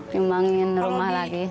nyumbangin rumah lagi